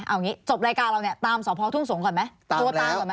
เอาอย่างนี้จบรายการเราเนี่ยตามสพทุ่งสงศ์ก่อนไหม